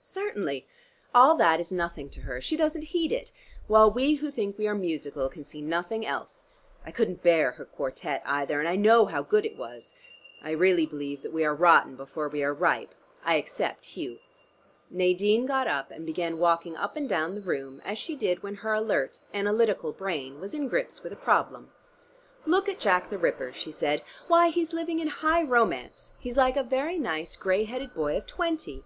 "Certainly: all that is nothing to her. She doesn't heed it, while we who think we are musical can see nothing else. I couldn't bear her quartette either, and I know how good it was. I really believe that we are rotten before we are ripe. I except Hugh." Nadine got up, and began walking up and down the room as she did when her alert analytical brain was in grips with a problem. "Look at Jack the Ripper," she said. "Why, he's living in high romance, he's like a very nice gray headed boy of twenty.